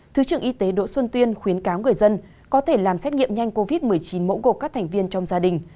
thứ trưởng y tế đỗ xuân tuyên khuyến cáo người dân có thể làm xét nghiệm nhanh covid một mươi chín mẫu gộp các thành viên trong gia đình